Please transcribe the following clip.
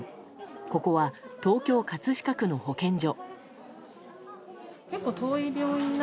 ここは東京・葛飾区の保健所。